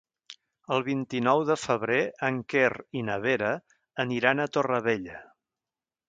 El vint-i-nou de febrer en Quer i na Vera aniran a Torrevella.